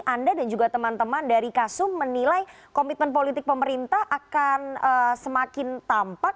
anda dan juga teman teman dari kasum menilai komitmen politik pemerintah akan semakin tampak